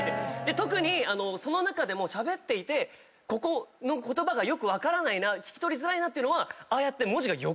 特にその中でもしゃべっててここの言葉がよく分からないな聞き取りづらいなっていうのは文字が横向きになるんですよ。